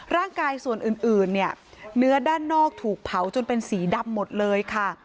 ร่างกายส่วนอื่นเนี่ยเนื้อด้านนอกถูกเผาจนเป็นสีดำหมดเลยค่ะ